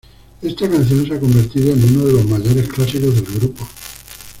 Esta canción se ha convertido en uno de los mayores clásicos del grupo.